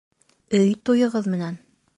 Өй туйығыҙ менән!